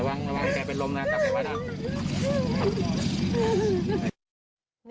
ระวังระวังแกเป็นลมนะจับทีป่ะนะ